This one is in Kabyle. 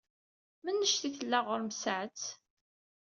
Mennect i tella ɣerem saɛet?